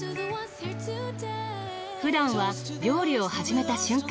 ふだんは料理を始めた瞬間